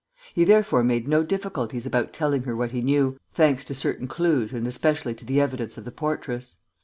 He therefore made no difficulties about telling her what he knew, thanks to certain clues and especially to the evidence of the portress.